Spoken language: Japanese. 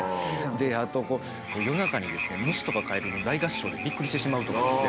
であとこう夜中にですね虫とかカエルの大合唱でびっくりしてしまうとかですね